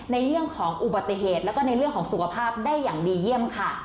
ในเรื่องของอุบัติเหตุแล้วก็ในเรื่องของสุขภาพได้อย่างดีเยี่ยมค่ะ